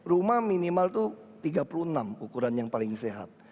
rumah minimal itu tiga puluh enam ukuran yang paling sehat